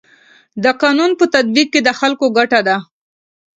د قانون په تطبیق کي د خلکو ګټه ده.